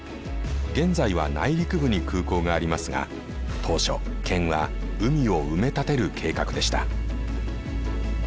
現在は内陸部に空港がありますが当初県は海を埋め立てる計画でした。